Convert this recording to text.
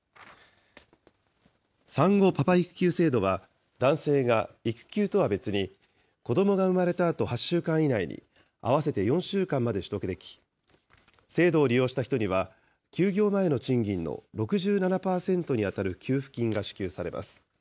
産後パパ育休制度は、男性が育休とは別に、子どもが産まれたあと８週間以内に、合わせて４週間まで取得でき、制度を利用した人には、休業前の賃金の６７％に当たる給付金が支給されます。